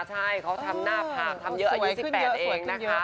ใช่เขาทำหน้าผากทำเยอะอายุ๑๘เองนะคะ